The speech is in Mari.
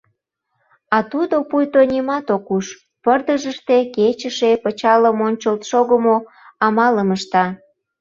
А тудо пуйто нимат ок уж, пырдыжыште кечыше пычалым ончылт шогымо амалым ышта.